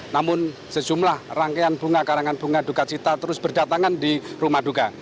namun sejumlah rangkaian bunga karangan bunga duka cita terus berdatangan di rumah duka